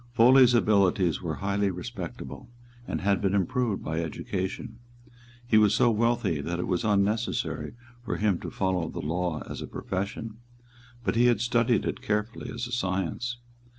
Foley's abilities were highly respectable, and had been improved by education. He was so wealthy that it was unnecessary for him to follow the law as a profession; but he had studied it carefully as a science.